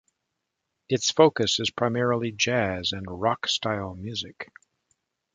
Its focus is primarily Jazz and Rock style music.